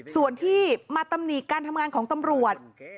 ส่วนที่มาตำหนิการทำงานของตำรวจ